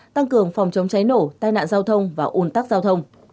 tăng cường phòng chống cháy nổ tai nạn giao thông và ủn tắc giao thông